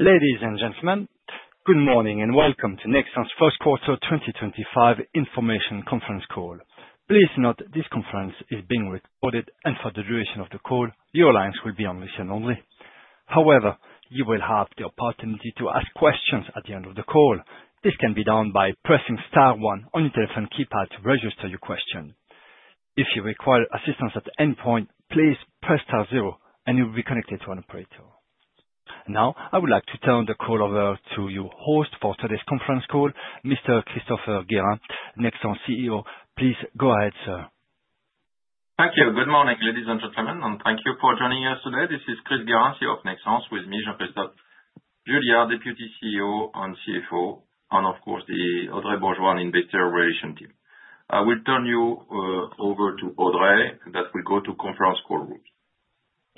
Ladies and gentlemen, good morning and welcome to Nexans First Quarter 2025 Information Conference Call. Please note this conference is being recorded, and for the duration of the call, your lines will be on listen only. However, you will have the opportunity to ask questions at the end of the call. This can be done by pressing Star 1 on your telephone keypad to register your question. If you require assistance at any point, please press Star 0, and you will be connected to an operator. Now, I would like to turn the call over to your host for today's conference call, Mr. Christopher Guérin, Nexans CEO. Please go ahead, sir. Thank you. Good morning, ladies and gentlemen, and thank you for joining us today. This is Chris Guérin here of Nexans. With me, Jean-Christophe Juillard, Deputy CEO and CFO, and of course, Audrey Bourgeois in Better Relationship. I will turn you over to Audrey, and that will go to conference call route.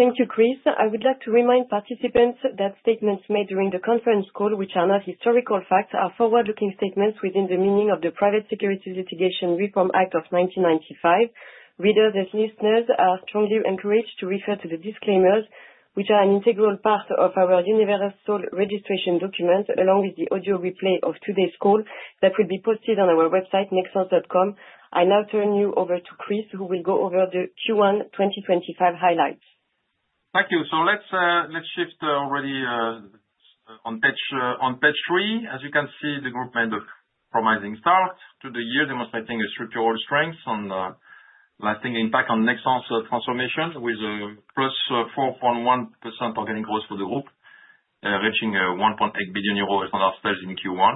Thank you, Chris. I would like to remind participants that statements made during the conference call, which are not historical facts, are forward-looking statements within the meaning of the Private Securities Litigation Reform Act of 1995. Readers and listeners are strongly encouraged to refer to the disclaimers, which are an integral part of our universal registration document, along with the audio replay of today's call that will be posted on our website, nexans.com. I now turn you over to Chris, who will go over the Q1 2025 highlights. Thank you. Let's shift already on page three. As you can see, the group made a promising start to the year, demonstrating a structural strength and lasting impact on Nexans' transformation with a +4.1% organic growth for the group, reaching 1.8 billion euro in Q1.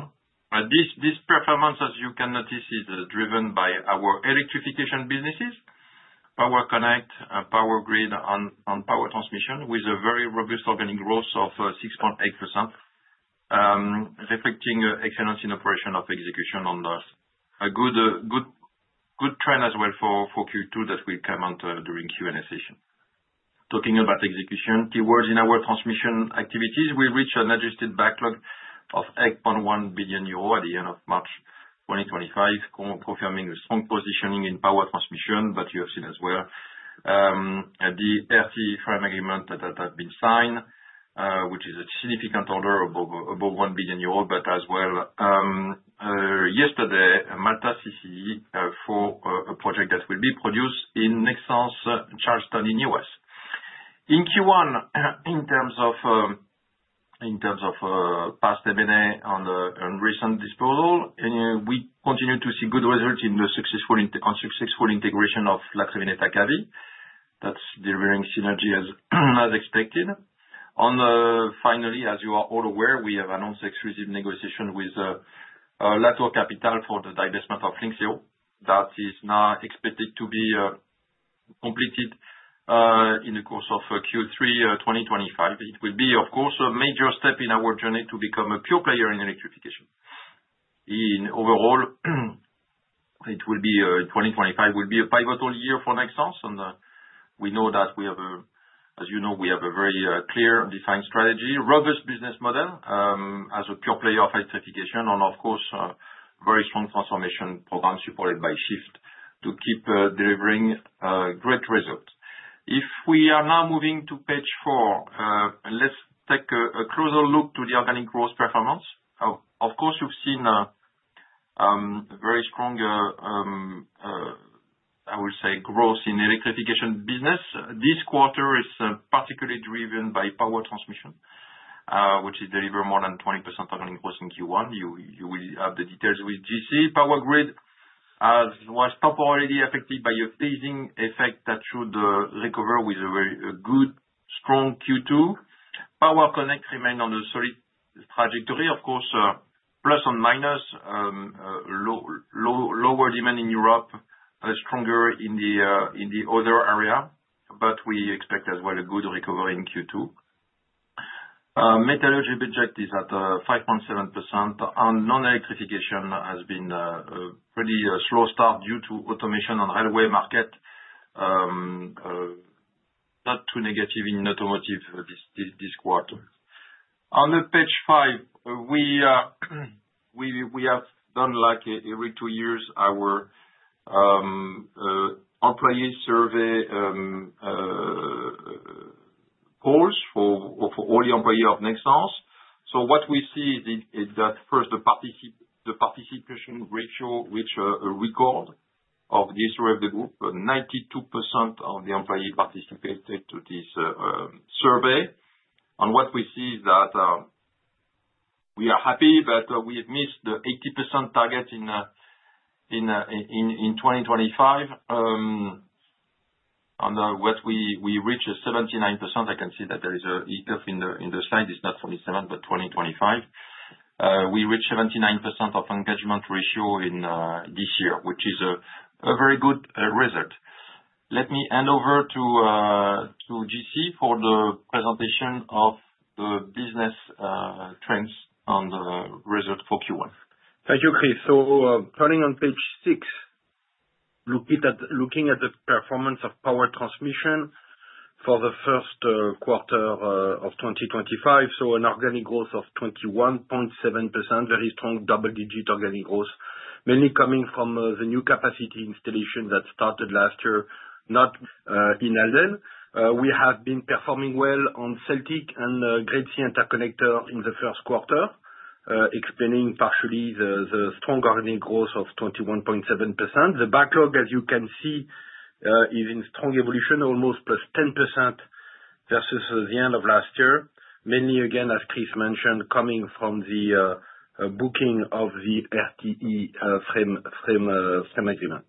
This performance, as you can notice, is driven by our electrification businesses, power connect, power grid, and power transmission, with a very robust organic growth of 6.8%, reflecting excellence in operation of execution on the. A good trend as well for Q2 that will come out during Q&A session. Talking about execution, keywords in our transmission activities, we reached an adjusted backlog of 8.1 billion euro at the end of March 2025, confirming a strong positioning in power transmission, but you have seen as well the RTE firm agreement that has been signed, which is a significant order above 1 billion euro, but as well yesterday, Malta CCE for a project that will be produced in Nexans Charleston in the U.S. In Q1, in terms of past M&A and recent disposal, we continue to see good results in the successful integration of Laxavin et Acavi. That's delivering synergy as expected. Finally, as you are all aware, we have announced exclusive negotiations with Latour Capital for the divestment of Lynxeo, that is now expected to be completed in the course of Q3 2025. It will be, of course, a major step in our journey to become a pure player in electrification. Overall, 2025 will be a pivotal year for Nexans, and we know that we have, as you know, we have a very clear and defined strategy, robust business model as a pure player of electrification, and of course, a very strong transformation program supported by Shift to keep delivering great results. If we are now moving to page four, let's take a closer look to the organic growth performance. Of course, you've seen a very strong, I will say, growth in electrification business. This quarter is particularly driven by power transmission, which is delivering more than 20% organic growth in Q1. You will have the details with GC. Power grid was temporarily affected by a phasing effect that should recover with a good, strong Q2. Power connect remained on a solid trajectory, of course, plus and minus, lower demand in Europe, stronger in the other area, but we expect as well a good recovery in Q2. Metallurgy project is at 5.7%, and non-electrification has been a pretty slow start due to automation on the railway market, not too negative in automotive this quarter. On page five, we have done, like every two years, our employee survey polls for all the employees of Nexans. What we see is that first, the participation ratio reached a record of this year of the group, 92% of the employees participated to this survey. What we see is that we are happy, but we have missed the 80% target in 2025. On what we reached, 79%, I can see that there is a hiccup in the slide, it's not 2027, but 2025. We reached 79% of engagement ratio this year, which is a very good result. Let me hand over to GC for the presentation of the business trends and the result for Q1. Thank you, Chris. Turning on page six, looking at the performance of power transmission for the first quarter of 2025, an organic growth of 21.7%, very strong double-digit organic growth, mainly coming from the new capacity installation that started last year, not in Halden. We have been performing well on Celtic and Grade C interconnector in the first quarter, explaining partially the strong organic growth of 21.7%. The backlog, as you can see, is in strong evolution, almost plus 10% versus the end of last year, mainly again, as Chris mentioned, coming from the booking of the RTE firm agreement.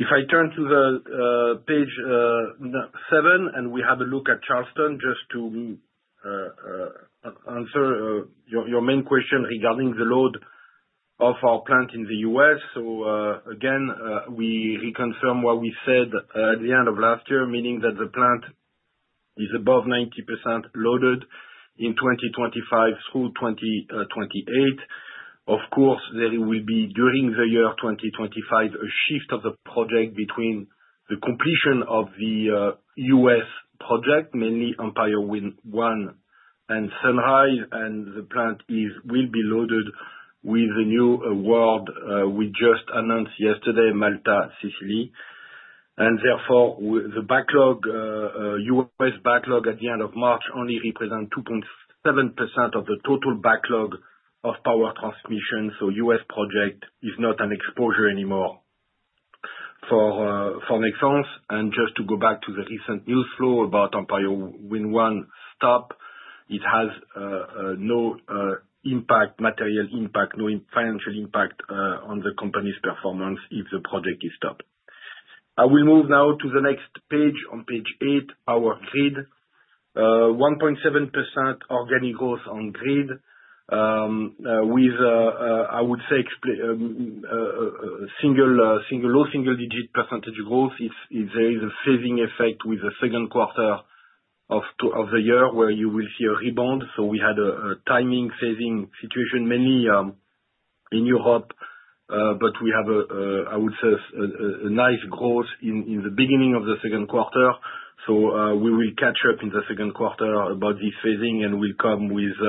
If I turn to page seven and we have a look at Charleston just to answer your main question regarding the load of our plant in the U.S., again, we reconfirm what we said at the end of last year, meaning that the plant is above 90% loaded in 2025 through 2028. Of course, there will be during the year 2025 a shift of the project between the completion of the U.S. project, mainly Empire Wind 1 and Sunrise, and the plant will be loaded with a new award we just announced yesterday, Malta CCE. Therefore, the U.S. backlog at the end of March only represents 2.7% of the total backlog of power transmission, so U.S. project is not an exposure anymore for Nexans. Just to go back to the recent news flow about Empire Wind 1 stopped, it has no impact, material impact, no financial impact on the company's performance if the project is stopped. I will move now to the next page. On page eight, our grid, 1.7% organic growth on grid, with, I would say, low single-digit percentage growth. There is a phasing effect with the second quarter of the year where you will see a rebound. We had a timing phasing situation mainly in Europe, but we have, I would say, a nice growth in the beginning of the second quarter. We will catch up in the second quarter about this phasing and will come with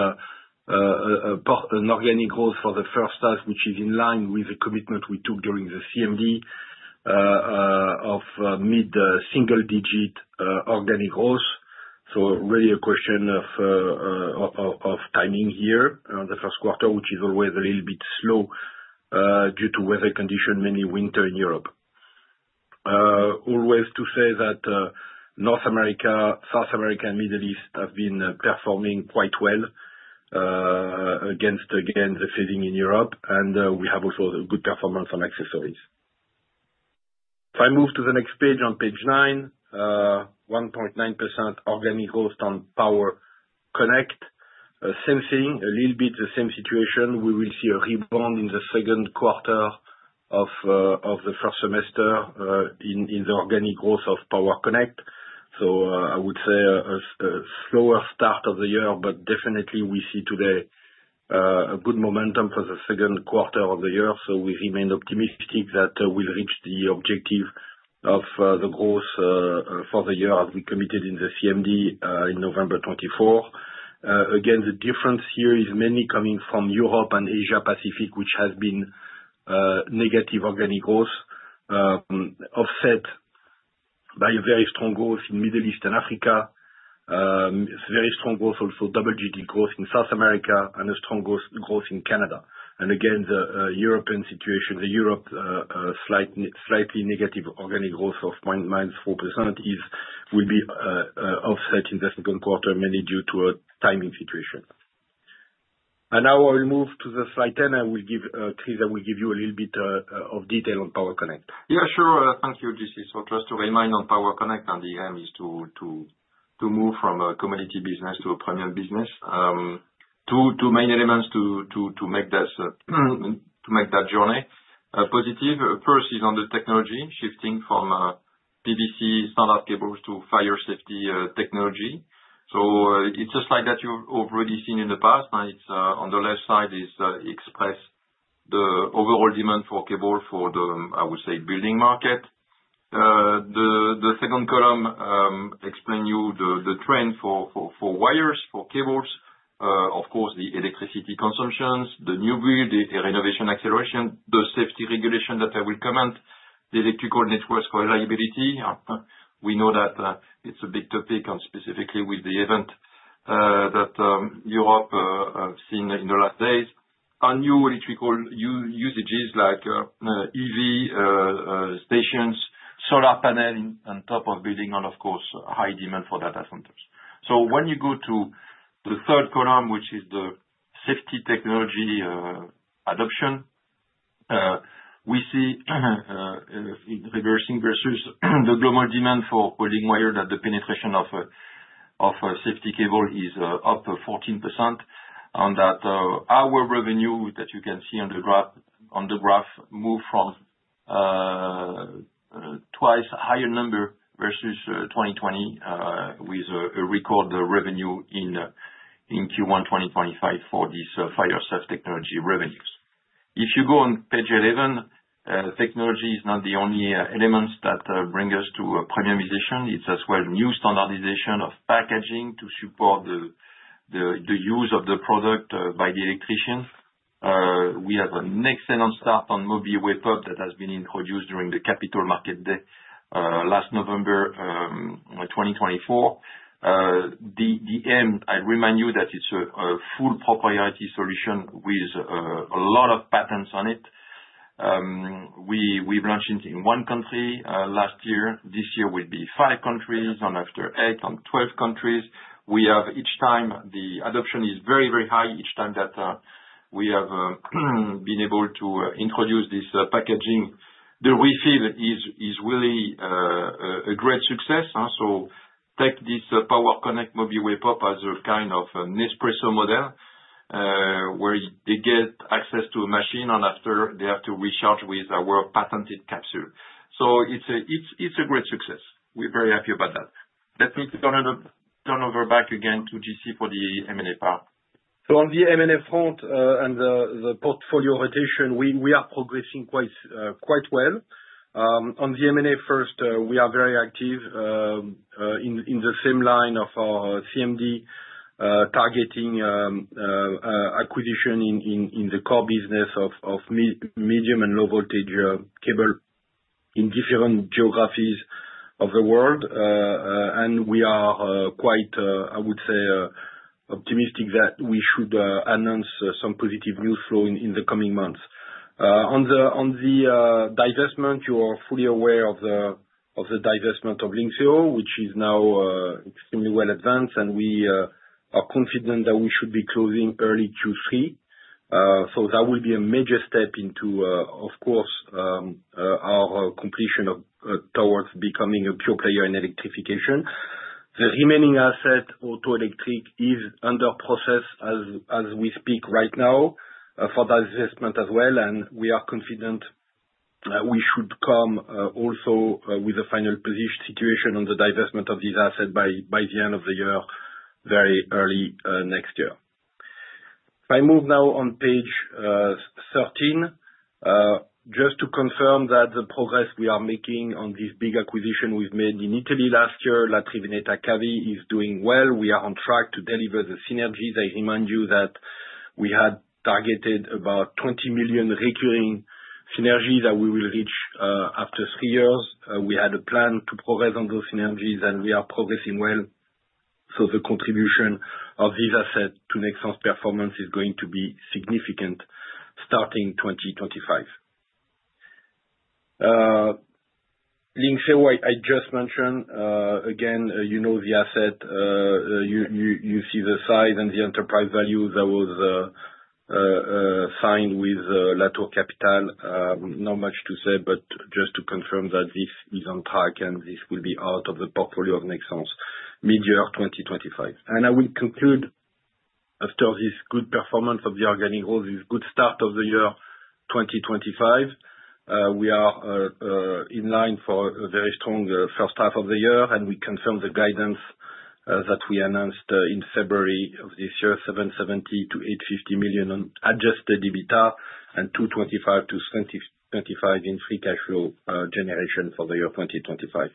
an organic growth for the first task, which is in line with the commitment we took during the CMD of mid-single-digit organic growth. is really a question of timing here on the first quarter, which is always a little bit slow due to weather condition, mainly winter in Europe. Always to say that North America, South America, and Middle East have been performing quite well against, again, the phasing in Europe, and we have also a good performance on accessories. If I move to the next page on page nine, 1.9% organic growth on power connect. Same thing, a little bit the same situation. We will see a rebound in the second quarter of the first semester in the organic growth of power connect. I would say a slower start of the year, but definitely we see today a good momentum for the second quarter of the year. We remain optimistic that we'll reach the objective of the growth for the year as we committed in the CMD in November 2024. Again, the difference here is mainly coming from Europe and Asia-Pacific, which has been negative organic growth offset by a very strong growth in Middle East and Africa, very strong growth, also double-digit growth in South America, and a strong growth in Canada. The European situation, the Europe slightly negative organic growth of -4% will be offset in the second quarter, mainly due to a timing situation. Now I will move to slide 10, and I will give Chris, I will give you a little bit of detail on power connect. Yeah, sure. Thank you, JC. Just to remind on power connect, the aim is to move from a commodity business to a premium business. Two main elements to make that journey positive. First is on the technology, shifting from PVC standard cables to fire safety technology. It is a slide that you have already seen in the past, and on the left side it expresses the overall demand for cable for the, I would say, building market. The second column explains to you the trend for wires, for cables, of course, the electricity consumptions, the new build, the renovation acceleration, the safety regulation that I will comment, the electrical network reliability. We know that it is a big topic and specifically with the event that Europe has seen in the last days. New electrical usages like EV stations, solar panel on top of building, and of course, high demand for data centers. When you go to the third column, which is the safety technology adoption, we see in reversing versus the global demand for building wire that the penetration of safety cable is up 14%, and that our revenue that you can see on the graph moved from twice higher number versus 2020 with a record revenue in Q1 2025 for these fire safe technology revenues. If you go on page 11, technology is not the only elements that bring us to a premiumization. It is as well new standardization of packaging to support the use of the product by the electrician. We have an excellent start on MobiWeb Hub that has been introduced during the capital market day last November 2024. The aim, I remind you that it's a full proprietary solution with a lot of patents on it. We've launched in one country last year. This year will be five countries, and after eight and 12 countries. Each time the adoption is very, very high. Each time that we have been able to introduce this packaging, the refill is really a great success. Take this Power Connect MobiWeb Hub as a kind of Nespresso model where they get access to a machine, and after they have to recharge with our patented capsule. It's a great success. We're very happy about that. Let me turn it back again to JC for the M&A part. On the M&A front and the portfolio rotation, we are progressing quite well. On the M&A first, we are very active in the same line of our CMD targeting acquisition in the core business of medium and low voltage cable in different geographies of the world. We are quite, I would say, optimistic that we should announce some positive news flow in the coming months. On the divestment, you are fully aware of the divestment of Lynxio, which is now extremely well advanced, and we are confident that we should be closing early Q3. That will be a major step into, of course, our completion towards becoming a pure player in electrification. The remaining asset, AutoElectric, is under process as we speak right now for that investment as well, and we are confident we should come also with a final position situation on the divestment of this asset by the end of the year, very early next year. If I move now on page 13, just to confirm that the progress we are making on this big acquisition we have made in Italy last year, Latrinet ACAVI, is doing well. We are on track to deliver the synergies. I remind you that we had targeted about 20 million recurring synergies that we will reach after three years. We had a plan to progress on those synergies, and we are progressing well. The contribution of this asset to Nexans performance is going to be significant starting 2025. Lynxio, I just mentioned, again, you know the asset. You see the size and the enterprise value that was signed with Latour Capital. Not much to say, but just to confirm that this is on track and this will be out of the portfolio of Nexans mid-year 2025. I will conclude after this good performance of the organic growth, this good start of the year 2025. We are in line for a very strong first half of the year, and we confirm the guidance that we announced in February of this year, 770 million-850 million on adjusted EBITDA and 225 million-250 million in free cash flow generation for the year 2025.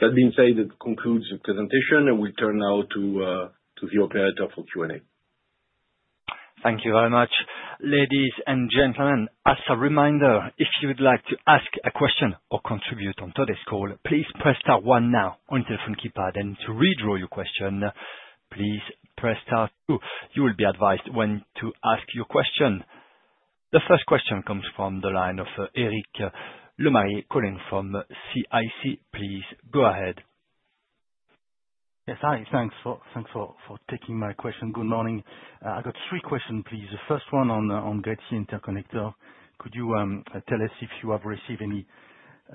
That being said, it concludes the presentation. I will turn now to the operator for Q&A. Thank you very much, ladies and gentlemen. As a reminder, if you would like to ask a question or contribute on today's call, please press star one now on your telephone keypad. To redraw your question, please press star two. You will be advised when to ask your question. The first question comes from the line of Éric LeMarié, calling from CIC. Please go ahead. Yes, thanks. Thanks for taking my question. Good morning. I got three questions, please. The first one on Grade C interconnector. Could you tell us if you have received any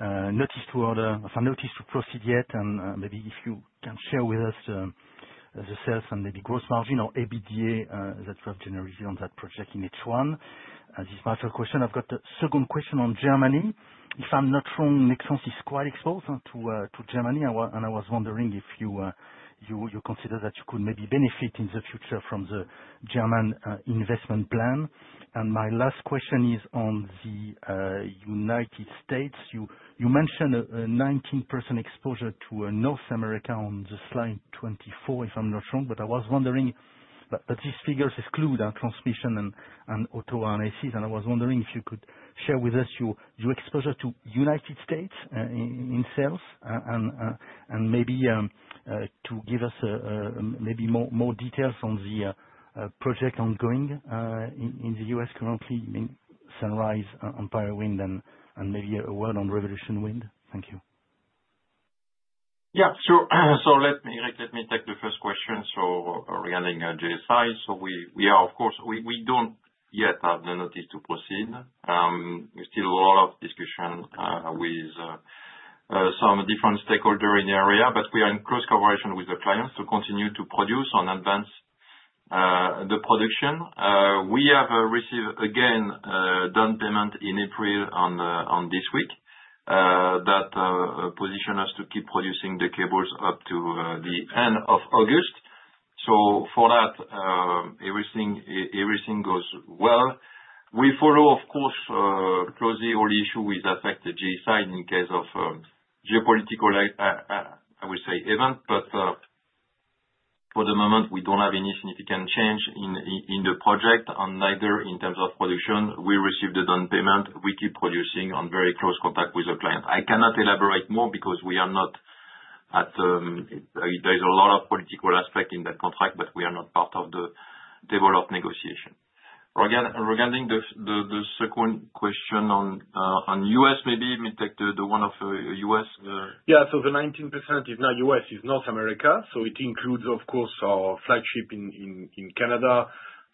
notice to proceed yet? And maybe if you can share with us the sales and maybe gross margin or EBITDA that you have generated on that project in H1. This is my first question. I have got the second question on Germany. If I am not wrong, Nexans is quite exposed to Germany, and I was wondering if you consider that you could maybe benefit in the future from the German investment plan. My last question is on the United States. You mentioned a 19% exposure to North America on the slide 24, if I am not wrong, but I was wondering that these figures exclude transmission and auto RNACs. I was wondering if you could share with us your exposure to the United State in sales and maybe give us more details on the projects ongoing in the U.S. currently, Sunrise, Empire Wind, and maybe a word on Revolution Wind? Thank you. Yeah, sure. Let me take the first question. Regarding GSI, we are, of course, we do not yet have the notice to proceed. We still have a lot of discussion with some different stakeholders in the area, but we are in close cooperation with the clients to continue to produce and advance the production. We have received, again, down payment in April on this week that positioned us to keep producing the cables up to the end of August. For that, everything goes well. We follow, of course, closely all issues with affected GSI in case of geopolitical, I would say, event, but for the moment, we do not have any significant change in the project, and neither in terms of production. We received the down payment. We keep producing and very close contact with the client. I cannot elaborate more because we are not at, there is a lot of political aspect in that contract, but we are not part of the table of negotiation. Regarding the second question on U.S., maybe we take the one of U.S. Yeah, the 19% is not U.S., it is North America. It includes, of course, our flagship in Canada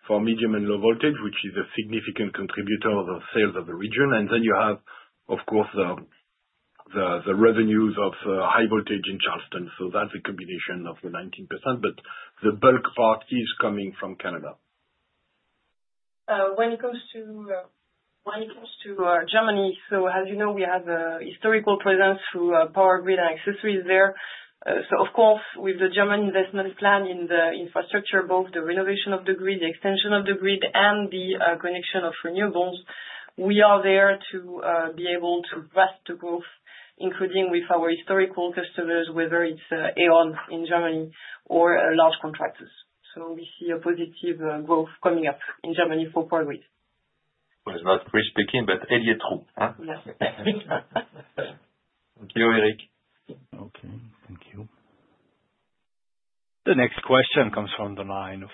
for medium and low voltage, which is a significant contributor of the sales of the region. You have, of course, the revenues of high voltage in Charleston. That is a combination of the 19%, but the bulk part is coming from Canada. When it comes to Germany, as you know, we have a historical presence through power grid and accessories there. Of course, with the German investment plan in the infrastructure, both the renovation of the grid, the extension of the grid, and the connection of renewables, we are there to be able to grasp the growth, including with our historical customers, whether it's E.ON in Germany or large contractors. We see a positive growth coming up in Germany for power grid. It's not Chris speaking, but Élyette Roux. Thank you, Éric. Okay, thank you. The next question comes from the line of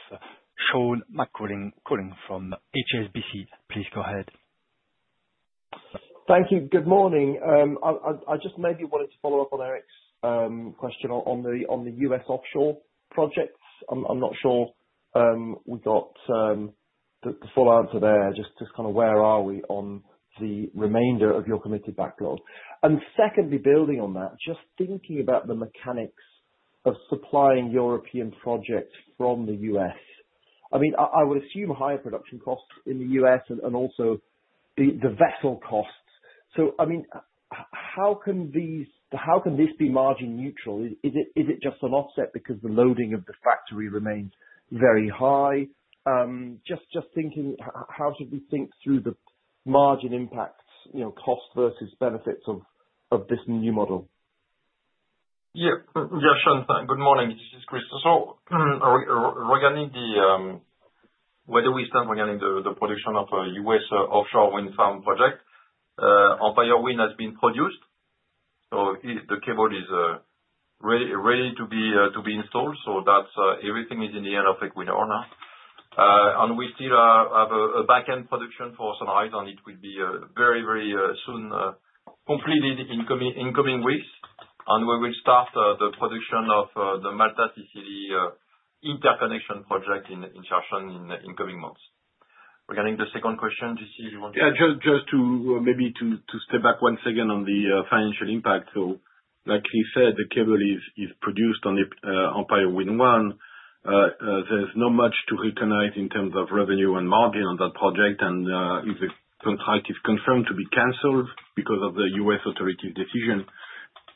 Sean McCulling calling from HSBC. Please go ahead. Thank you. Good morning. I just maybe wanted to follow up on Éric's question on the U.S. offshore projects. I'm not sure we got the full answer there, just kind of where are we on the remainder of your committed backlog. Secondly, building on that, just thinking about the mechanics of supplying European projects from the U.S., I mean, I would assume higher production costs in the U.S. and also the vessel costs. I mean, how can this be margin neutral? Is it just an offset because the loading of the factory remains very high? Just thinking, how should we think through the margin impacts, cost versus benefits of this new model? Yeah, Sean, good morning. This is Chris. Regarding where do we stand regarding the production of a U.S. offshore wind farm project, Empire Wind has been produced. The cable is ready to be installed. Everything is in the end of Equinor now. We still have a backend production for Sunrise, and it will be very, very soon completed in coming weeks. We will start the production of the Malta-TCD interconnection project in Charleston in coming months. Regarding the second question, JC, do you want to? Yeah, just to maybe to step back once again on the financial impact. Like he said, the cable is produced on the Empire Wind 1. There's not much to recognize in terms of revenue and margin on that project. If the contract is confirmed to be canceled because of the U.S. authorities' decision,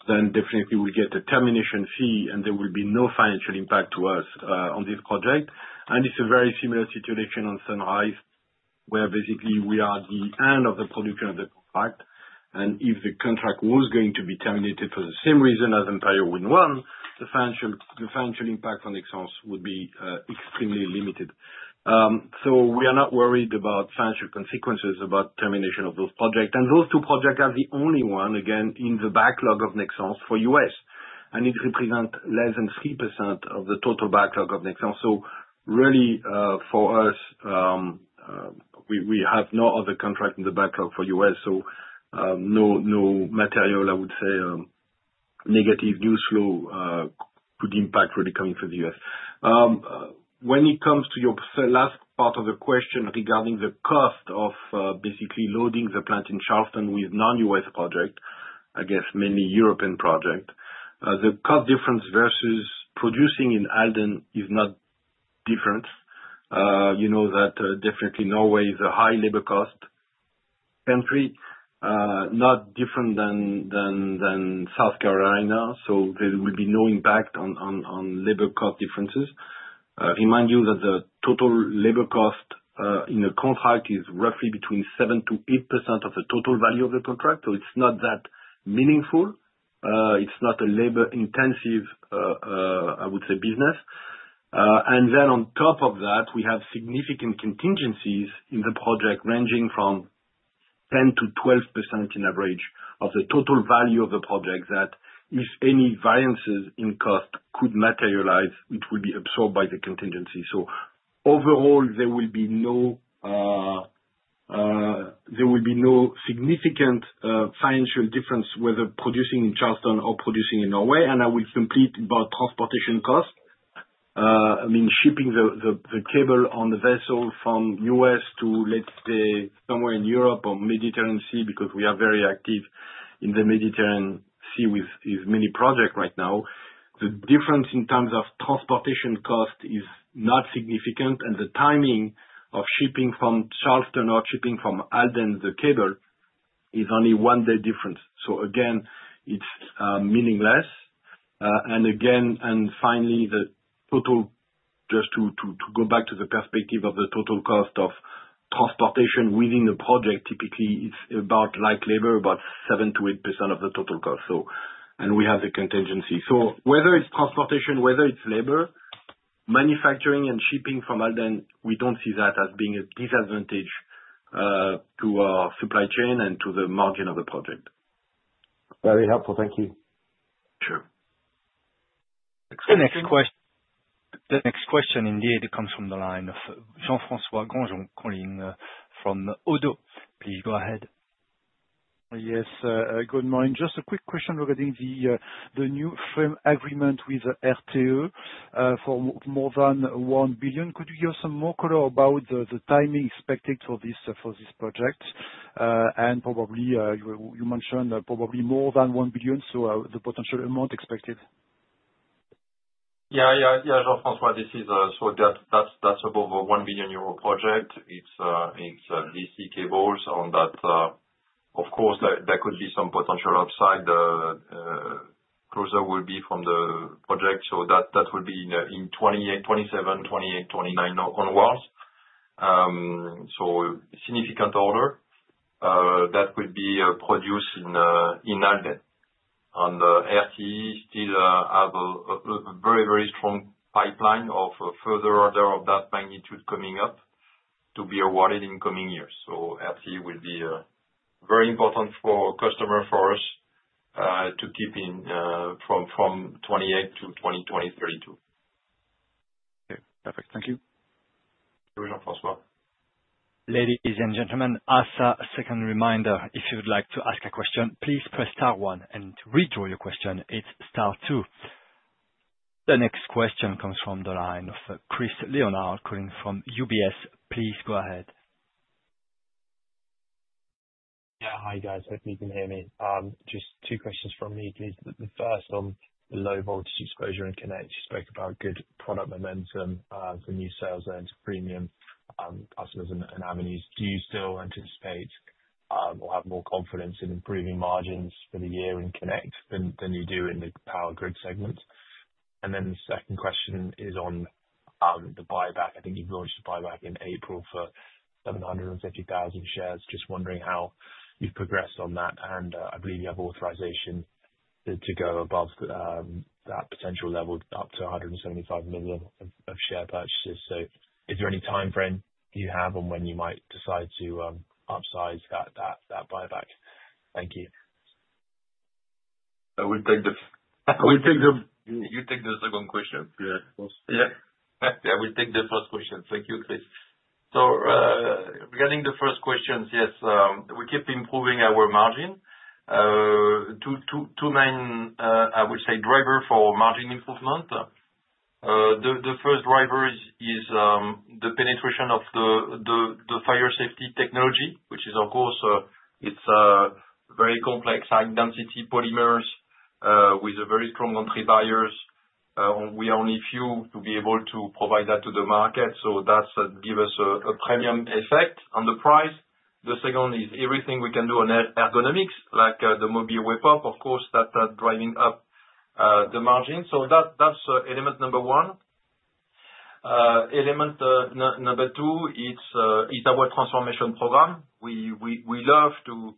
then definitely we'll get a termination fee, and there will be no financial impact to us on this project. It's a very similar situation on Sunrise where basically we are at the end of the production of the contract. If the contract was going to be terminated for the same reason as Empire Wind 1, the financial impact on Nexans would be extremely limited. We are not worried about financial consequences about termination of those projects. Those two projects are the only one, again, in the backlog of Nexans for U.S. It represents less than 3% of the total backlog of Nexans. For us, we have no other contract in the backlog for the U.S. No material, I would say, negative news flow could impact really coming from the U.S. When it comes to your last part of the question regarding the cost of basically loading the plant in Charleston with non-U.S. projects, I guess mainly European projects, the cost difference versus producing in Halden is not different. You know that definitely Norway is a high labor cost country, not different than South Carolina. There will be no impact on labor cost differences. Remind you that the total labor cost in a contract is roughly between 7%-8% of the total value of the contract. It is not that meaningful. It is not a labor-intensive, I would say, business. On top of that, we have significant contingencies in the project ranging from 10%-12% in average of the total value of the project that if any variances in cost could materialize, it would be absorbed by the contingency. Overall, there will be no significant financial difference whether producing in Charleston or producing in Norway. I will complete about transportation costs. I mean, shipping the cable on the vessel from the U.S. to, let's say, somewhere in Europe or Mediterranean Sea because we are very active in the Mediterranean Sea with many projects right now. The difference in terms of transportation cost is not significant. The timing of shipping from Charleston or shipping from Halden, the cable, is only one day difference. Again, it's meaningless. Again, and finally, the total, just to go back to the perspective of the total cost of transportation within the project, typically it's about like labor, about 7%-8% of the total cost. We have the contingency. Whether it's transportation, whether it's labor, manufacturing and shipping from Halden, we don't see that as being a disadvantage to our supply chain and to the margin of the project. Very helpful. Thank you. Sure. The next question indeed comes from the line of Jean-François Gourjon, calling from Oddo. Please go ahead. Yes, good morning. Just a quick question regarding the new frame agreement with RTE for more than 1 billion. Could you give us some more color about the timing expected for this project? You mentioned probably more than 1 billion, so the potential amount expected. Yeah, yeah, yeah, Jean-François, this is so that's above a 1 billion euro project. It's DC cables on that. Of course, there could be some potential upside. Closer will be from the project. That will be in 2027, 2028, 2029 onwards. Significant order that could be produced in Halden. RTE still has a very, very strong pipeline of further order of that magnitude coming up to be awarded in coming years. RTE will be very important for customers for us to keep in from 2028-2032. Okay, perfect. Thank you. Thank you, Jean-François. Ladies and gentlemen, as a second reminder, if you'd like to ask a question, please press star one. To redraw your question, it's star two. The next question comes from the line of Chris Leonard, calling from UBS. Please go ahead. Yeah, hi guys. Hope you can hear me. Just two questions from me, please. The first on the low voltage exposure in Connect. You spoke about good product momentum for new sales and premium customers and avenues. Do you still anticipate or have more confidence in improving margins for the year in Connect than you do in the power grid segment? The second question is on the buyback. I think you've launched a buyback in April for 750,000 shares. Just wondering how you've progressed on that. I believe you have authorization to go above that potential level up to 175 million of share purchases. Is there any timeframe you have on when you might decide to upsize that buyback? Thank you. I will take the. You take the second question. Yeah, of course. Yeah. Yeah, we take the first question. Thank you, Chris. So regarding the first questions, yes, we keep improving our margin. Two main, I would say, drivers for margin improvement. The first driver is the penetration of the Fire Safety Technology, which is, of course, it's very complex high-density polymers with very strong entry barriers. We are only few to be able to provide that to the market. That gives us a premium effect on the price. The second is everything we can do on ergonomics, like the MobiWeb Hub, of course, that's driving up the margin. That's element number one. Element number two, it's our transformation program. We love to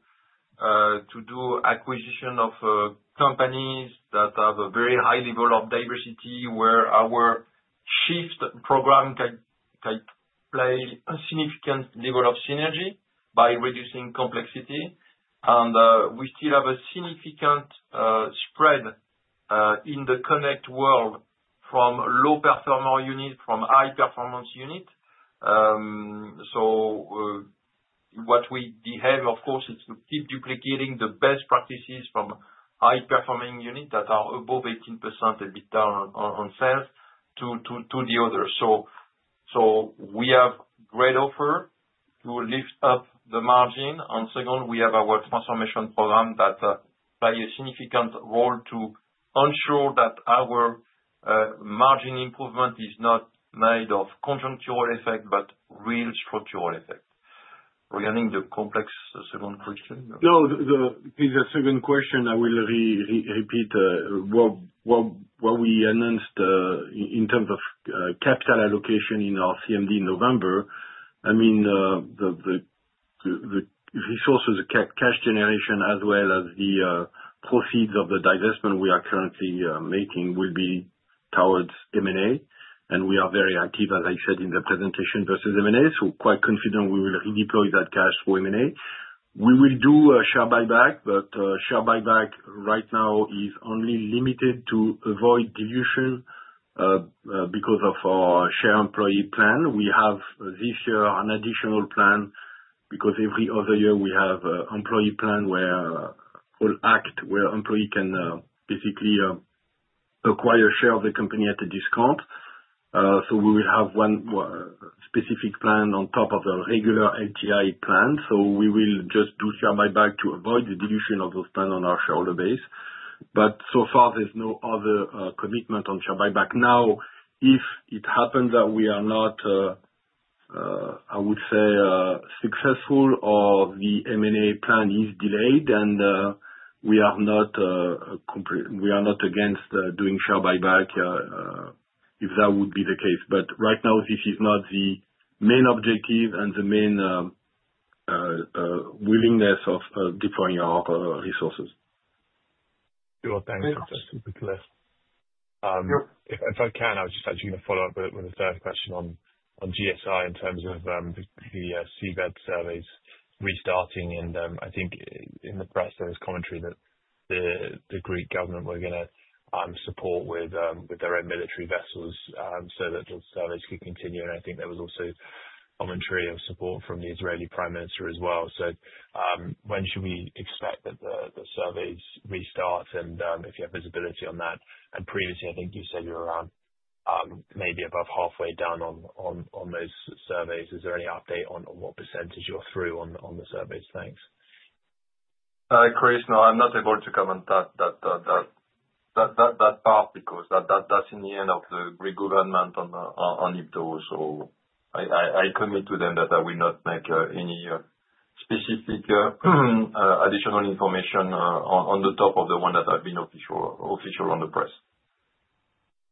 do acquisition of companies that have a very high level of diversity where our shift program can play a significant level of synergy by reducing complexity. We still have a significant spread in the Connect world from low-performer units to high-performance units. What we have, of course, is to keep duplicating the best practices from high-performing units that are above 18% EBITDA on sales to the others. We have a great offer to lift up the margin. Second, we have our transformation program that plays a significant role to ensure that our margin improvement is not made of conjunctural effect, but real structural effect. Regarding the complex second question. No, the second question, I will repeat what we announced in terms of capital allocation in our CMD in November. I mean, the resources, the cash generation, as well as the proceeds of the divestment we are currently making will be towards M&A. I mean, we are very active, as I said in the presentation, versus M&A. Quite confident we will redeploy that cash for M&A. We will do a share buyback, but share buyback right now is only limited to avoid dilution because of our share employee plan. We have this year an additional plan because every other year we have an employee plan where an employee can basically acquire a share of the company at a discount. We will have one specific plan on top of the regular LTI plan. We will just do share buyback to avoid the dilution of those plans on our shareholder base. So far, there's no other commitment on share buyback. Now, if it happens that we are not, I would say, successful or the M&A plan is delayed and we are not against doing share buyback, if that would be the case. Right now, this is not the main objective and the main willingness of deploying our resources. Thanks. If I can, I was just actually going to follow up with a third question on GSI in terms of the Seabed surveys restarting. I think in the press, there was commentary that the Greek government were going to support with their own military vessels so that the surveys could continue. I think there was also commentary of support from the Israeli Prime Minister as well. When should we expect that the surveys restart? If you have visibility on that? Previously, I think you said you're around maybe above halfway down on those surveys. Is there any update on what percentage you're through on the surveys? Thanks. Chris, no, I'm not able to comment that part because that's in the hands of the Greek government on it. I commit to them that I will not make any specific additional information on top of the one that has been official on the press.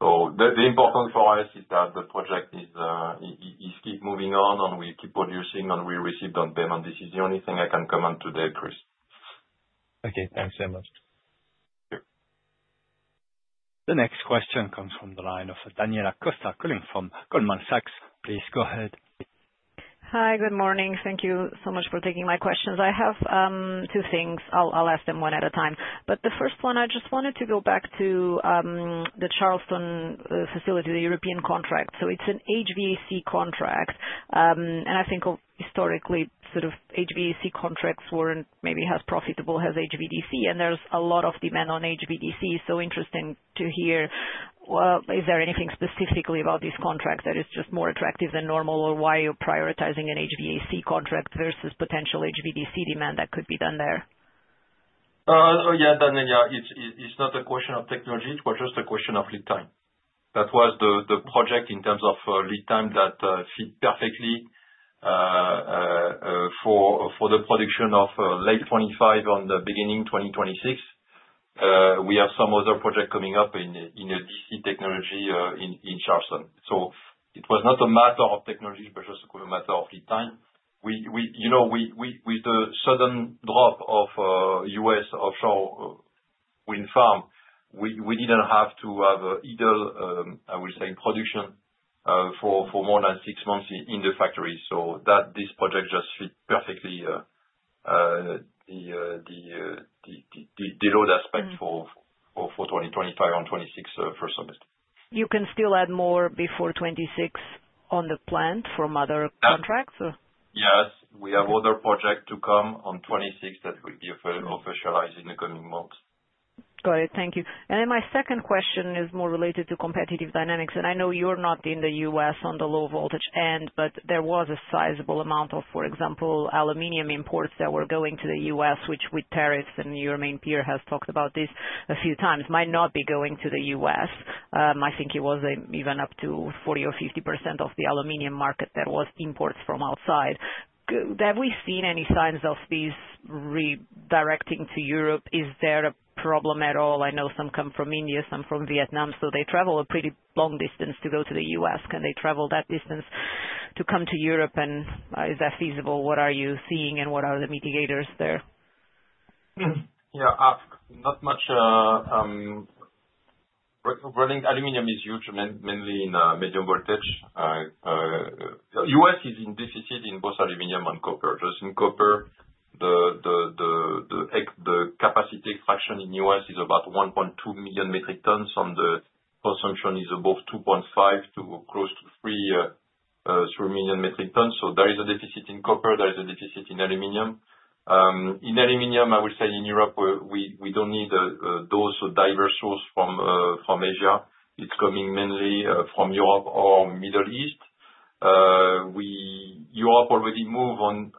The important thing for us is that the project is keep moving on and we keep producing and we receive down payment. This is the only thing I can comment today, Chris. Okay, thanks so much. Sure. The next question comes from the line of Daniela Kuster calling from Goldman Sachs. Please go ahead. Hi, good morning. Thank you so much for taking my questions. I have two things. I'll ask them one at a time. The first one, I just wanted to go back to the Charleston facility, the European contract. It is an HVAC contract. I think historically, sort of HVAC contracts were not maybe as profitable as HVDC. There is a lot of demand on HVDC. Interesting to hear. Is there anything specifically about this contract that is just more attractive than normal or why you are prioritizing an HVAC contract versus potential HVDC demand that could be done there? Yeah, Daniela, it's not a question of technology. It was just a question of lead time. That was the project in terms of lead time that fit perfectly for the production of late 2025 and the beginning 2026. We have some other projects coming up in the DC technology in Charleston. It was not a matter of technology, but just a matter of lead time. With the sudden drop of U.S. offshore wind farm, we didn't have to have either, I would say, production for more than six months in the factory. This project just fit perfectly the load aspect for 2025 and 2026 first semester. You can still add more before 2026 on the plant from other contracts? Yes. We have other projects to come on 2026 that will be officialized in the coming months. Got it. Thank you. My second question is more related to competitive dynamics. I know you're not in the U.S. on the low voltage end, but there was a sizable amount of, for example, aluminum imports that were going to the U.S., which with tariffs, and your main peer has talked about this a few times, might not be going to the U.S. I think it was even up to 40% or 50% of the aluminum market that was imports from outside. Have we seen any signs of these redirecting to Europe? Is there a problem at all? I know some come from India, some from Vietnam. They travel a pretty long distance to go to the U.S. Can they travel that distance to come to Europe? Is that feasible? What are you seeing and what are the mitigators there? Yeah, not much. Running aluminum is huge, mainly in medium voltage. The U.S. is in deficit in both aluminum and copper. Just in copper, the capacity extraction in the U.S. is about 1.2 million metric tons, and the consumption is above 2.5 million to close to 3 million metric tons. There is a deficit in copper. There is a deficit in aluminum. In aluminum, I would say in Europe, we do not need those diverse sources from Asia. It is coming mainly from Europe or Middle East. Europe already moved on,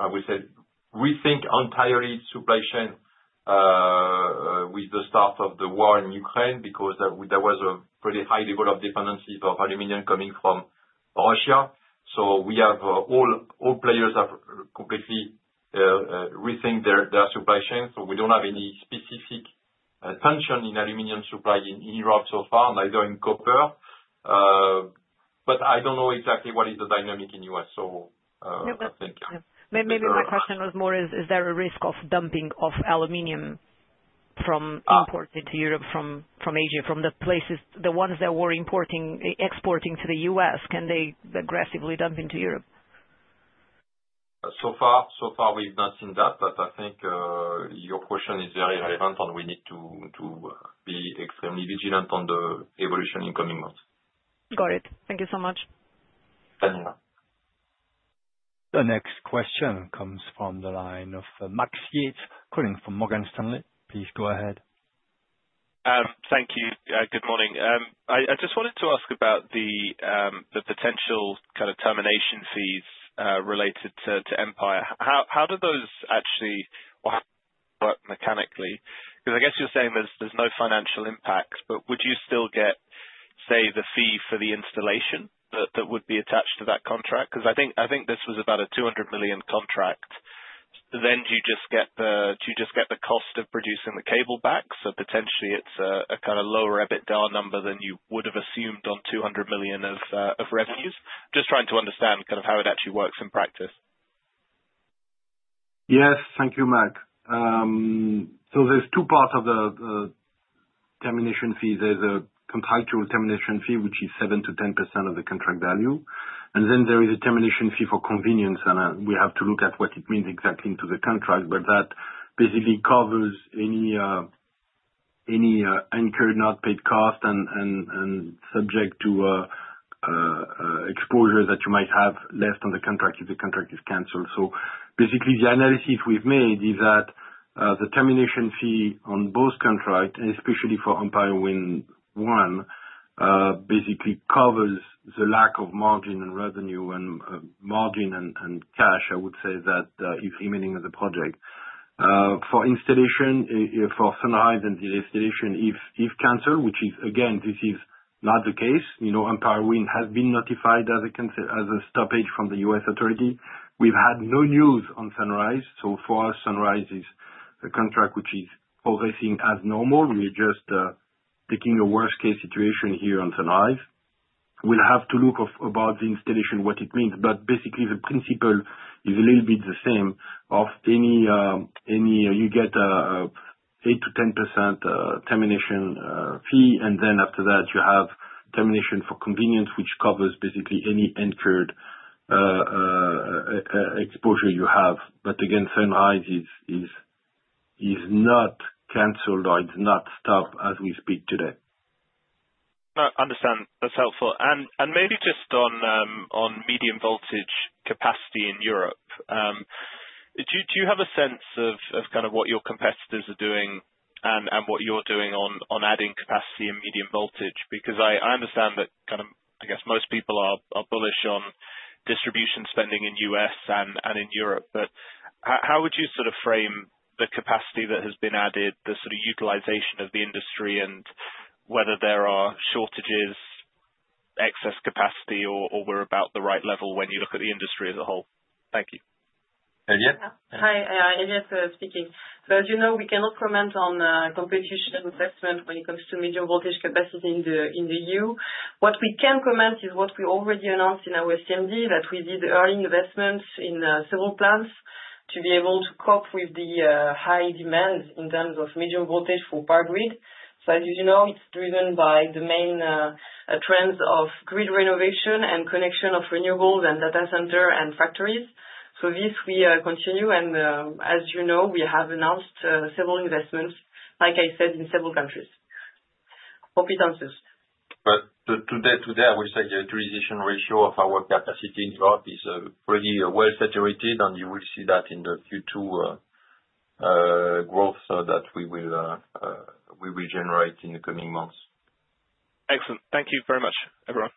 I would say, rethink entirely its supply chain with the start of the war in Ukraine because there was a pretty high level of dependency of aluminum coming from Russia. All players have completely rethink their supply chain. We do not have any specific tension in aluminum supply in Europe so far, neither in copper. I don't know exactly what is the dynamic in the U.S., so I think. Maybe my question was more, is there a risk of dumping of aluminum from import into Europe from Asia, from the places, the ones that were exporting to the U.S.? Can they aggressively dump into Europe? So far we have not seen that. I think your question is very relevant, and we need to be extremely vigilant on the evolution in coming months. Got it. Thank you so much. Daniela. The next question comes from the line of Max Yeats, calling from Morgan Stanley. Please go ahead. Thank you. Good morning. I just wanted to ask about the potential kind of termination fees related to Empire. How do those actually work mechanically? Because I guess you're saying there's no financial impact, but would you still get, say, the fee for the installation that would be attached to that contract? Because I think this was about a 200 million contract. Do you just get the cost of producing the cable back? So potentially, it's a kind of lower EBITDA number than you would have assumed on 200 million of revenues. Just trying to understand kind of how it actually works in practice. Yes, thank you, Max. There are two parts of the termination fee. There is a contractual termination fee, which is 7%-10% of the contract value. Then there is a termination fee for convenience. We have to look at what it means exactly in the contract, but that basically covers any incurred, not paid cost and subject to exposure that you might have left on the contract if the contract is canceled. Basically, the analysis we've made is that the termination fee on both contracts, especially for Empire Wind 1, basically covers the lack of margin and revenue and margin and cash, I would say, that is remaining of the project. For Sunrise and the installation, if canceled, which is, again, this is not the case, Empire Wind has been notified as a stoppage from the U.S. authority. We've had no news on Sunrise. For us, Sunrise is a contract which is progressing as normal. We're just taking a worst-case situation here on Sunrise. We'll have to look about the installation, what it means. Basically, the principle is a little bit the same of any, you get an 8%-10% termination fee, and then after that, you have termination for convenience, which covers basically any incurred exposure you have. Again, Sunrise is not canceled or it's not stopped as we speak today. Understand. That's helpful. Maybe just on medium voltage capacity in Europe, do you have a sense of kind of what your competitors are doing and what you're doing on adding capacity in medium voltage? I understand that kind of, I guess, most people are bullish on distribution spending in the U.S. and in Europe. How would you sort of frame the capacity that has been added, the sort of utilization of the industry, and whether there are shortages, excess capacity, or we're about the right level when you look at the industry as a whole? Thank you. Hi, Élyette speaking. As you know, we cannot comment on competition assessment when it comes to medium voltage capacity in the EU. What we can comment is what we already announced in our CMD, that we did early investments in several plants to be able to cope with the high demands in terms of medium voltage for power grid. As you know, it is driven by the main trends of grid renovation and connection of renewables and data centers and factories. This, we continue. As you know, we have announced several investments, like I said, in several countries. Hope it answers. Today, I would say the utilization ratio of our capacity in Europe is pretty well saturated, and you will see that in the future growth that we will generate in the coming months. Excellent. Thank you very much, everyone.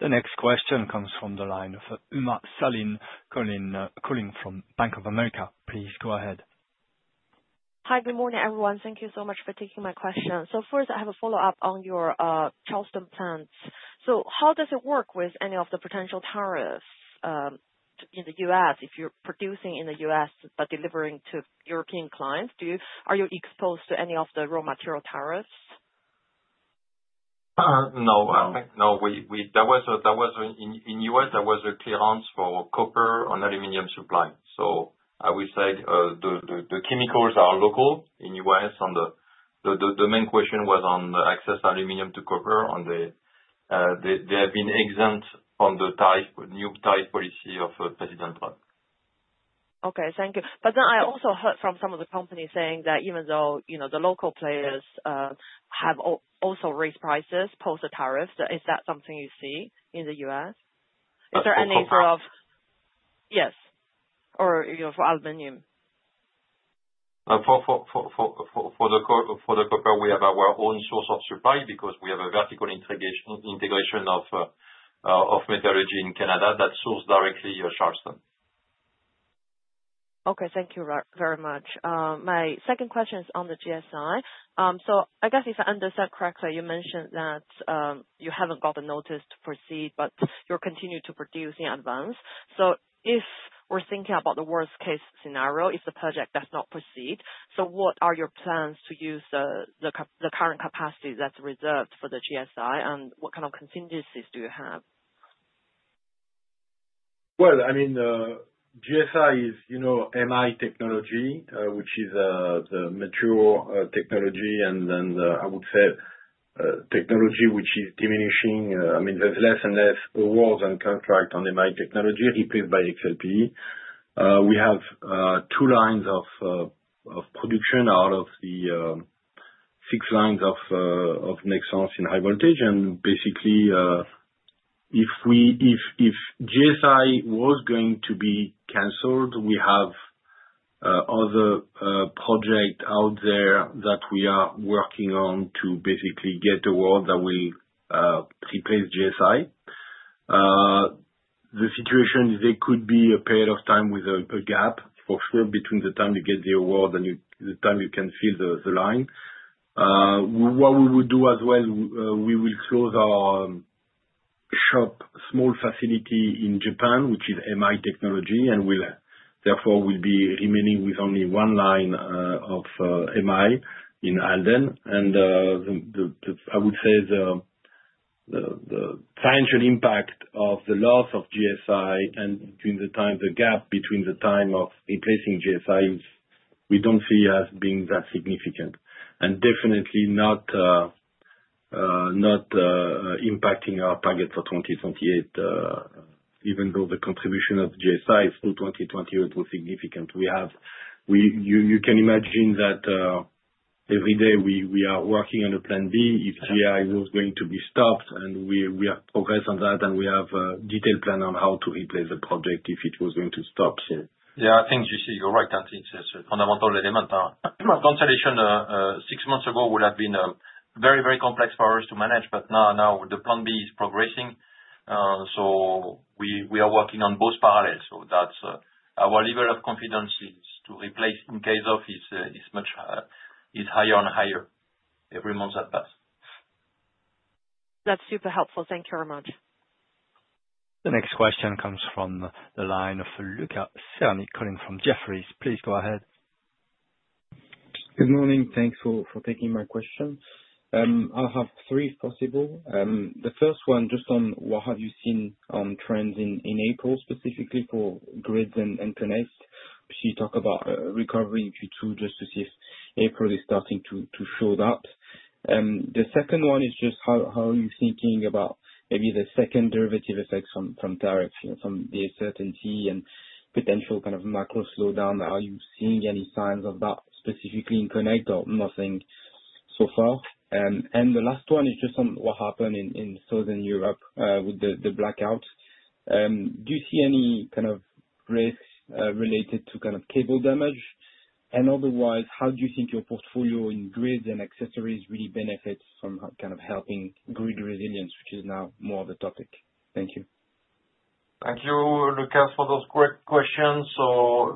The next question comes from the line of Uma Salin, calling from Bank of America. Please go ahead. Hi, good morning, everyone. Thank you so much for taking my question. First, I have a follow-up on your Charleston plants. How does it work with any of the potential tariffs in the U.S. if you're producing in the U.S. but delivering to European clients? Are you exposed to any of the raw material tariffs? No. No, in the U.S., there was a clearance for copper and aluminum supply. I would say the chemicals are local in the U.S. The main question was on the excess aluminum to copper. They have been exempt from the new tariff policy of President Trump. Okay, thank you. I also heard from some of the companies saying that even though the local players have also raised prices post-tariffs, is that something you see in the U.S.? Is there any sort of. Yes. Yes. Or for aluminum? For the copper, we have our own source of supply because we have a vertical integration of metallurgy in Canada that source directly Charleston. Okay, thank you very much. My second question is on the GSI. I guess if I understand correctly, you mentioned that you haven't got the notice to proceed, but you're continuing to produce in advance. If we're thinking about the worst-case scenario, if the project does not proceed, what are your plans to use the current capacity that's reserved for the GSI, and what kind of contingencies do you have? GSI is MI technology, which is the mature technology, and then I would say technology which is diminishing. I mean, there's less and less awards and contracts on MI technology, replaced by XLPE. We have two lines of production out of the six lines of Nexans in high voltage. Basically, if GSI was going to be canceled, we have other projects out there that we are working on to basically get awards that will replace GSI. The situation, there could be a period of time with a gap, for sure, between the time you get the award and the time you can fill the line. What we would do as well, we will close our shop, small facility in Japan, which is MI technology, and therefore, we'll be remaining with only one line of MI in Halden. I would say the financial impact of the loss of GSI and the gap between the time of replacing GSI, we do not see as being that significant. Definitely not impacting our target for 2028, even though the contribution of GSI through 2020 was significant. You can imagine that every day we are working on a plan B if GSI was going to be stopped, and we have progressed on that, and we have a detailed plan on how to replace the project if it was going to stop. Yeah, I think you see, you're right. I think it's a fundamental element. My consolation six months ago would have been very, very complex for us to manage, but now the plan B is progressing. We are working on both parallels. Our level of confidence to replace in case of is higher and higher every month that pass. That's super helpful. Thank you very much. The next question comes from the line of Luca Cerni, calling from Jefferies. Please go ahead. Good morning. Thanks for taking my question. I'll have three if possible. The first one, just on what have you seen on trends in April, specifically for grids and connects? She talked about recovery in Q2 just to see if April is starting to show that. The second one is just how are you thinking about maybe the second derivative effects from tariffs, from the uncertainty and potential kind of macro slowdown? Are you seeing any signs of that specifically in connect or nothing so far? The last one is just on what happened in Southern Europe with the blackouts. Do you see any kind of risks related to kind of cable damage? Otherwise, how do you think your portfolio in grids and accessories really benefits from kind of helping grid resilience, which is now more of a topic? Thank you. Thank you, Luca, for those great questions.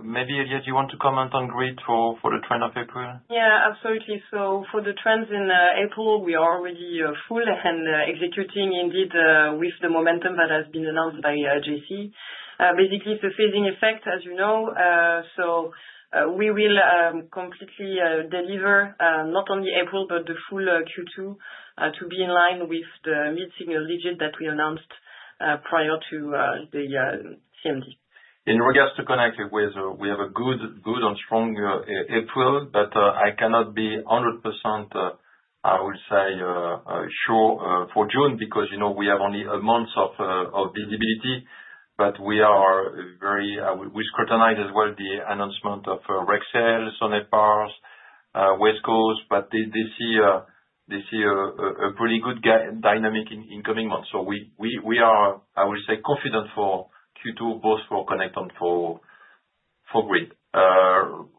Maybe, Elyette, you want to comment on grid for the trend of April? Yeah, absolutely. For the trends in April, we are already full and executing, indeed, with the momentum that has been announced by JC. Basically, it's a phasing effect, as you know. We will completely deliver not only April, but the full Q2 to be in line with the mid-single digit that we announced prior to the CMD. In regards to connect, we have a good and strong April, but I cannot be 100%, I would say, sure for June because we have only a month of visibility. We scrutinize as well the announcement of Rexel, Sonepar, Wesco, but they see a pretty good dynamic in coming months. We are, I would say, confident for Q2, both for connect and for grid.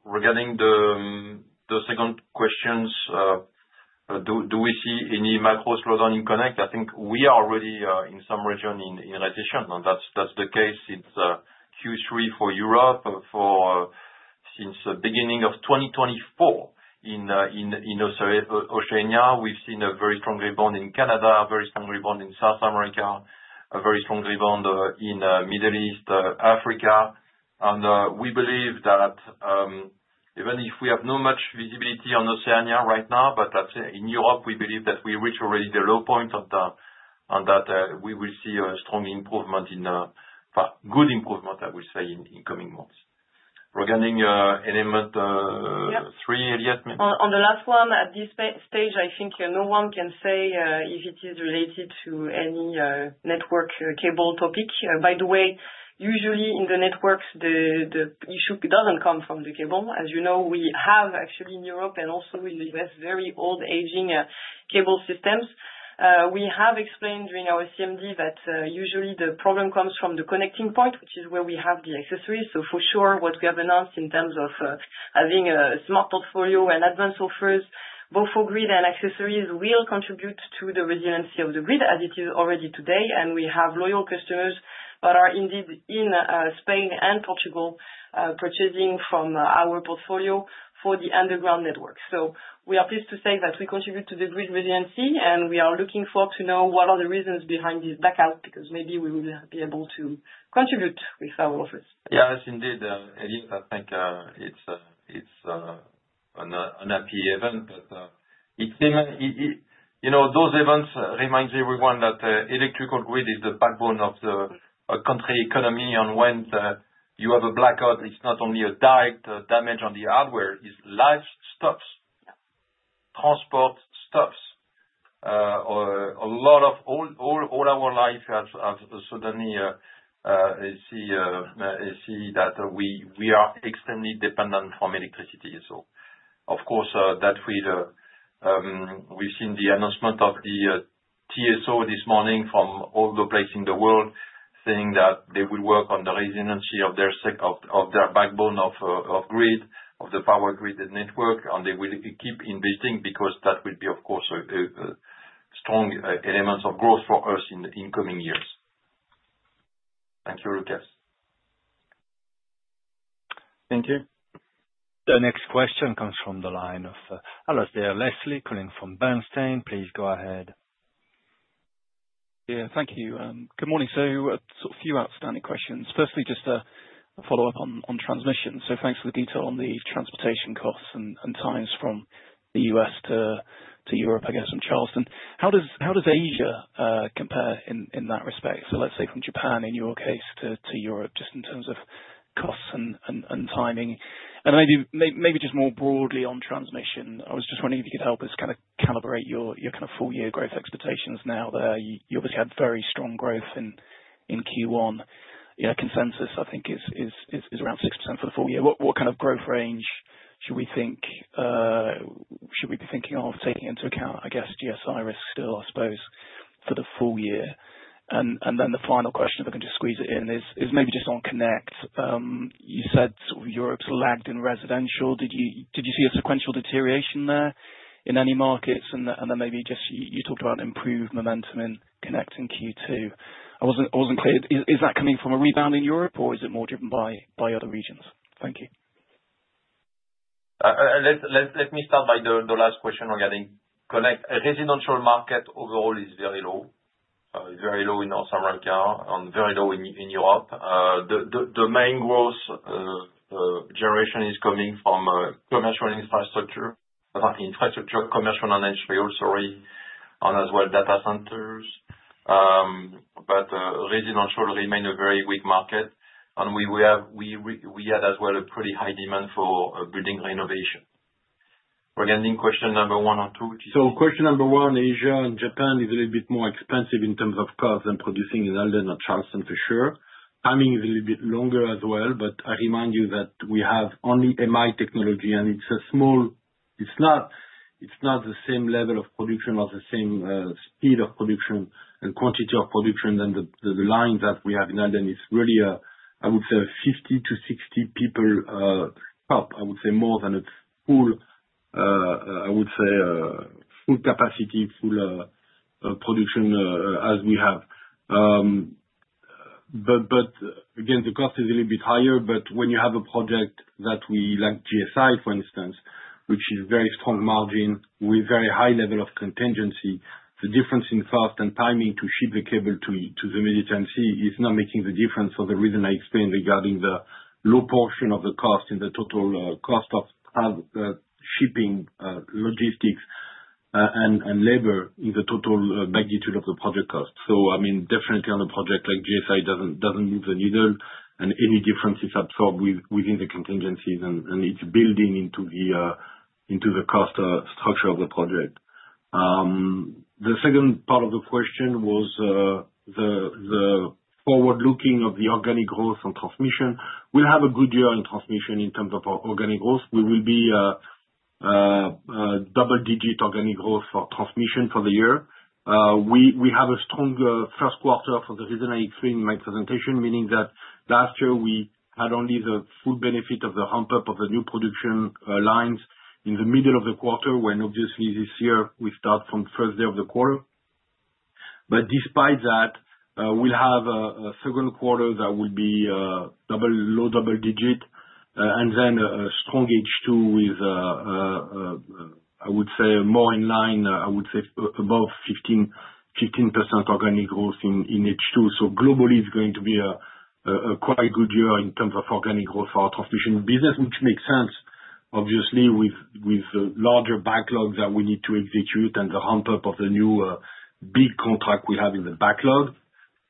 Regarding the second question, do we see any macro slowdown in connect? I think we are already in some region in recession. That is the case. It is Q3 for Europe since the beginning of 2024. In Oceania, we have seen a very strong rebound in Canada, a very strong rebound in South America, a very strong rebound in the Middle East, Africa. We believe that even if we have not much visibility on Oceania right now, in Europe, we believe that we reach already the low point on that, we will see a strong improvement in, good improvement, I would say, in coming months. Regarding element three, Elyette? On the last one, at this stage, I think no one can say if it is related to any network cable topic. By the way, usually in the networks, the issue does not come from the cable. As you know, we have actually in Europe and also in the U.S., very old-aging cable systems. We have explained during our CMD that usually the problem comes from the connecting point, which is where we have the accessories. For sure, what we have announced in terms of having a smart portfolio and advanced offers, both for grid and accessories, will contribute to the resiliency of the grid as it is already today. We have loyal customers that are indeed in Spain and Portugal purchasing from our portfolio for the underground network. We are pleased to say that we contribute to the grid resiliency, and we are looking forward to know what are the reasons behind this blackout because maybe we will be able to contribute with our offers. Yes, indeed. Élyette, I think it's a happy event, but those events remind everyone that electrical grid is the backbone of the country economy. When you have a blackout, it's not only a direct damage on the hardware, it's lives stop, transport stops. A lot of all our life has suddenly seen that we are extremely dependent on electricity. Of course, we've seen the announcement of the TSO this morning from all the places in the world saying that they will work on the resiliency of their backbone of grid, of the power grid network, and they will keep investing because that will be, of course, a strong element of growth for us in the incoming years. Thank you, Luca. Thank you. The next question comes from the line of Alasdair Leslie calling from Bernstein. Please go ahead. Yeah, thank you. Good morning. A few outstanding questions. Firstly, just a follow-up on transmission. Thanks for the detail on the transportation costs and times from the U.S. to Europe, I guess, from Charleston. How does Asia compare in that respect? Let's say from Japan in your case to Europe, just in terms of costs and timing. Maybe just more broadly on transmission, I was just wondering if you could help us kind of calibrate your kind of full-year growth expectations now that you obviously had very strong growth in Q1. Consensus, I think, is around 6% for the full year. What kind of growth range should we think, should we be thinking of taking into account, I guess, GSI risk still, I suppose, for the full year? The final question, if I can just squeeze it in, is maybe just on connect. You said sort of Europe's lagged in residential. Did you see a sequential deterioration there in any markets? Maybe just you talked about improved momentum in connect in Q2. I wasn't clear. Is that coming from a rebound in Europe, or is it more driven by other regions? Thank you. Let me start by the last question regarding connect. Residential market overall is very low. It's very low in North America and very low in Europe. The main growth generation is coming from commercial infrastructure, commercial and industrial, sorry, and as well data centers. Residential remains a very weak market, and we had as well a pretty high demand for building renovation. Regarding question number one or two, which is. Question number one, Asia and Japan is a little bit more expensive in terms of cost than producing in Alden or Charleston for sure. Timing is a little bit longer as well, but I remind you that we have only MI technology, and it's a small, it's not the same level of production or the same speed of production and quantity of production than the line that we have in Alden. It's really, I would say, a 50 people-60 people top, I would say, more than a full, I would say, full capacity, full production as we have. Again, the cost is a little bit higher, but when you have a project that we like GSI, for instance, which is very strong margin with very high level of contingency, the difference in cost and timing to ship the cable to the Mediterranean Sea is not making the difference for the reason I explained regarding the low portion of the cost in the total cost of shipping logistics and labor in the total magnitude of the project cost. I mean, definitely on a project like GSI it does not move the needle, and any difference is absorbed within the contingencies, and it is building into the cost structure of the project. The second part of the question was the forward-looking of the organic growth and transmission. We will have a good year in transmission in terms of organic growth. We will be at double-digit organic growth for transmission for the year. We have a strong first quarter for the reason I explained in my presentation, meaning that last year we had only the full benefit of the ramp-up of the new production lines in the middle of the quarter, when obviously this year we start from the first day of the quarter. Despite that, we'll have a second quarter that will be low double-digit, and then a strong H2 with, I would say, more in line, I would say, above 15% organic growth in H2. Globally, it's going to be a quite good year in terms of organic growth for our transmission business, which makes sense, obviously, with the larger backlog that we need to execute and the ramp-up of the new big contract we have in the backlog.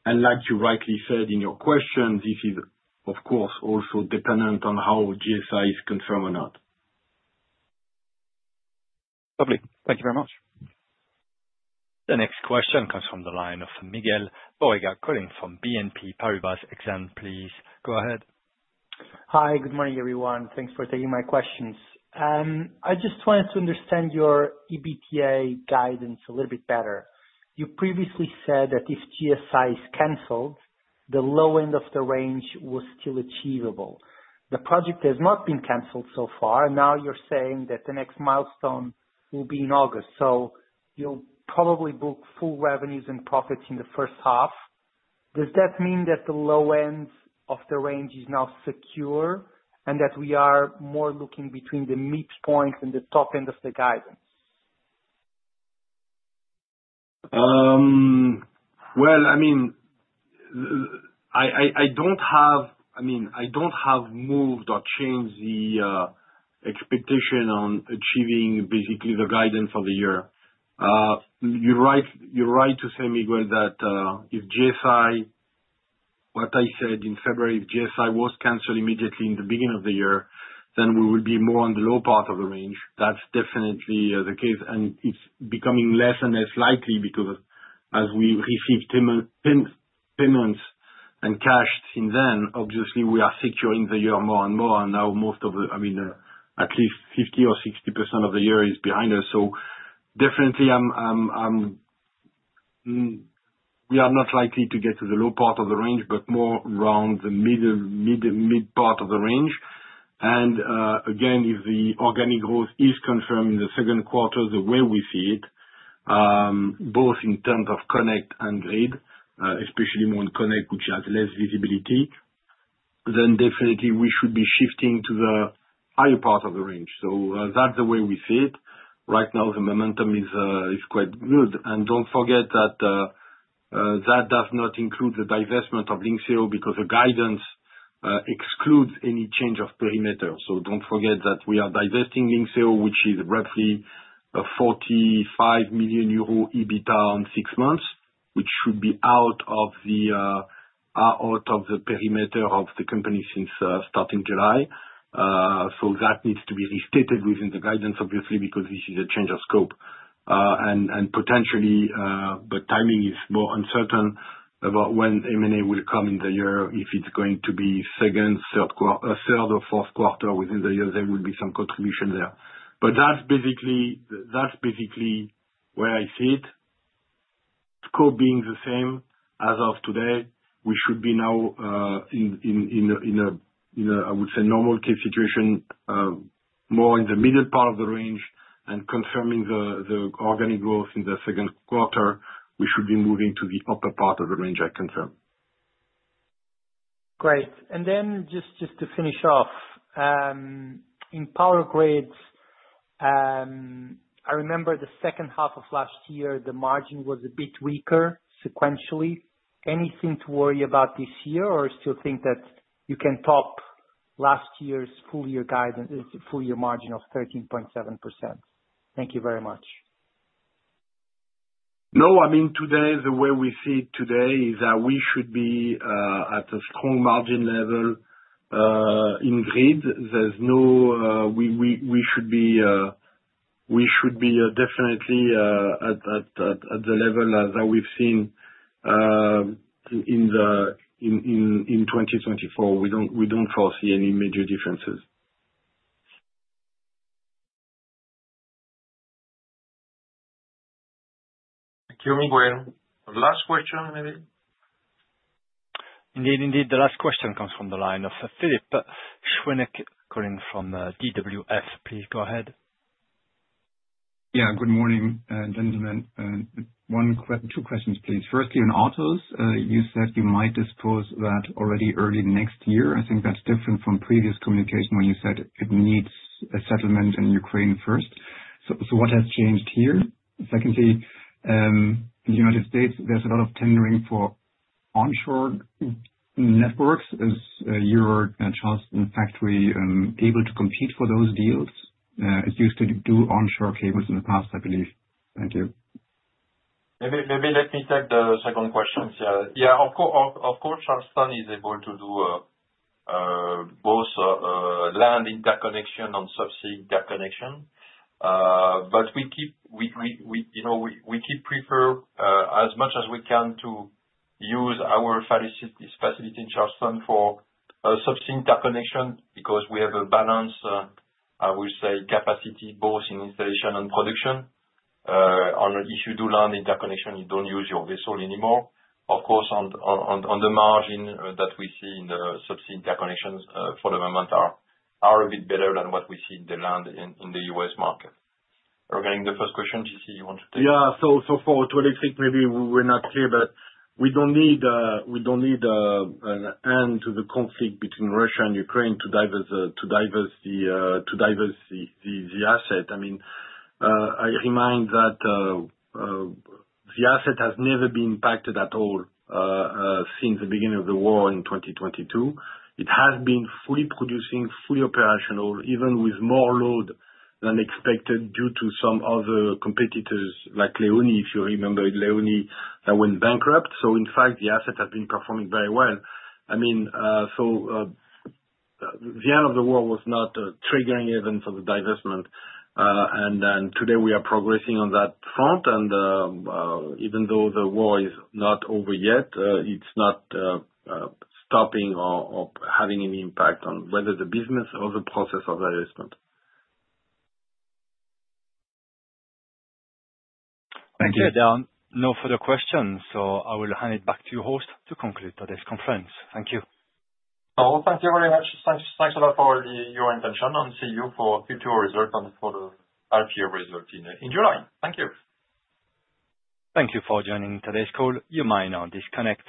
Like you rightly said in your question, this is, of course, also dependent on how GSI is confirmed or not. Lovely. Thank you very much. The next question comes from the line of Miguel Borrega calling from BNP Paribas Exane. Please go ahead. Hi, good morning, everyone. Thanks for taking my questions. I just wanted to understand your EBITDA guidance a little bit better. You previously said that if GSI is canceled, the low end of the range was still achievable. The project has not been canceled so far, and now you're saying that the next milestone will be in August. You will probably book full revenues and profits in the first half. Does that mean that the low end of the range is now secure and that we are more looking between the midpoint and the top end of the guidance? I mean, I don't have, I mean, I don't have moved or changed the expectation on achieving basically the guidance for the year. You're right to say, Miguel, that if GSI, what I said in February, if GSI was canceled immediately in the beginning of the year, then we will be more on the low part of the range. That's definitely the case. It is becoming less and less likely because as we receive payments and cash since then, obviously, we are securing the year more and more. Now most of the, I mean, at least 50% or 60% of the year is behind us. Definitely, we are not likely to get to the low part of the range, but more around the mid part of the range. If the organic growth is confirmed in the second quarter, the way we see it, both in terms of connect and grid, especially more in connect, which has less visibility, we should be shifting to the higher part of the range. That is the way we see it. Right now, the momentum is quite good. Do not forget that does not include the divestment of Lynxio because the guidance excludes any change of perimeter. Do not forget that we are divesting Lynxio, which is roughly 45 million euro EBITDA on six months, which should be out of the perimeter of the company starting July. That needs to be restated within the guidance, obviously, because this is a change of scope. Potentially, but timing is more uncertain about when M&A will come in the year. If it's going to be second, third, or fourth quarter within the year, there will be some contribution there. That is basically where I see it. Scope being the same as of today, we should be now in a, I would say, normal case situation, more in the middle part of the range. Confirming the organic growth in the second quarter, we should be moving to the upper part of the range I confirm. Great. Just to finish off, in power grids, I remember the second half of last year, the margin was a bit weaker sequentially. Anything to worry about this year or still think that you can top last year's full-year margin of 13.7%? Thank you very much. No, I mean, today, the way we see it today is that we should be at a strong margin level in grid. There's no, we should be definitely at the level that we've seen in 2024. We don't foresee any major differences. Thank you, Miguel. Last question, maybe? Indeed, indeed. The last question comes from the line of Philippe Chouinnec calling from DWF. Please go ahead. Yeah, good morning, gentlemen. Two questions, please. Firstly, on autos, you said you might dispose of that already early next year. I think that's different from previous communication when you said it needs a settlement in Ukraine first. So what has changed here? Secondly, in the United States, there's a lot of tendering for onshore networks. Is your Charleston factory able to compete for those deals? It used to do onshore cables in the past, I believe. Thank you. Maybe let me take the second question. Yeah, of course, Charleston is able to do both land interconnection and subsea interconnection. We keep prefer as much as we can to use our facility in Charleston for subsea interconnection because we have a balance, I will say, capacity both in installation and production. If you do land interconnection, you do not use your vessel anymore. Of course, the margin that we see in the subsea interconnections for the moment are a bit better than what we see in the land in the U.S. market. Regarding the first question, JC, you want to take? Yeah, so for AutoElectric, maybe we're not clear, but we don't need an end to the conflict between Russia and Ukraine to divest the asset. I mean, I remind that the asset has never been impacted at all since the beginning of the war in 2022. It has been fully producing, fully operational, even with more load than expected due to some other competitors like Leoni, if you remember Leoni, that went bankrupt. In fact, the asset has been performing very well. I mean, the end of the war was not a triggering event for the divestment. Today, we are progressing on that front. Even though the war is not over yet, it's not stopping or having any impact on whether the business or the process of divestment. Thank you. There are no further questions, so I will hand it back to your host to conclude today's conference. Thank you. No, thank you very much. Thanks a lot for your attention, and see you for future results and for the IPO result in July. Thank you. Thank you for joining today's call. You may now disconnect.